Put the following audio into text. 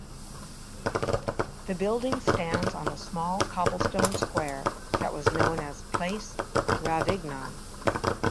The building stands on a small cobblestone square that was known as Place Ravignan.